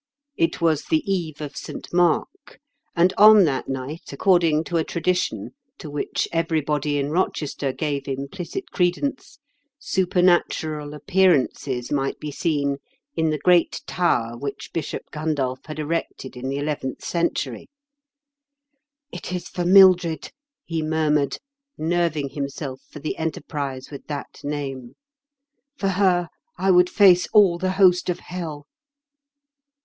It was the Eve of St. Mark, and on that night, according to a tradition to which everybody in Rochester gave implicit credence, supernatural appearances might be seen in the great tower which Bishop Gundulph had erected in the eleventh cen tury. " It is for Mildred," he murmured, nerving himself for the enterprise with that name. " For her I would face all the host of hell."